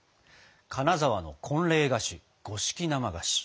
金沢の婚礼菓子五色生菓子。